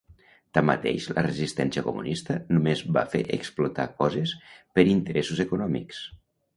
Tanmateix, la resistència comunista només va fer explotar coses per interessos econòmics.